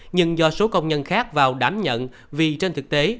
nhưng do số công nhân khác vào đảm nhận vì trên thực tế